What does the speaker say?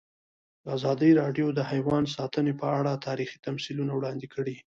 ازادي راډیو د حیوان ساتنه په اړه تاریخي تمثیلونه وړاندې کړي.